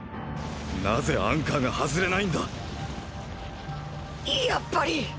なぜアンカーが外れないんだやっぱり！！